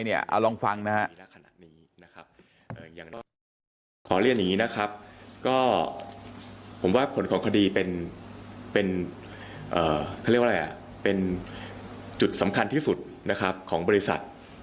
ขอเรียนอย่างนี้นะครับผมว่าผลของคดีเป็นจุดสำคัญที่สุดของบริษัท